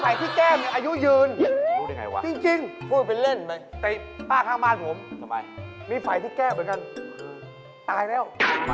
ไอ้ที่แก้เหมือนกันตายแล้วได้ตายแล้ว